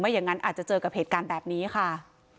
อย่างนั้นอาจจะเจอกับเหตุการณ์แบบนี้ค่ะ